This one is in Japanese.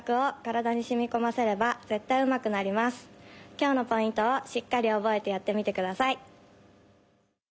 今日のポイントをしっかりおぼえてやってみてください。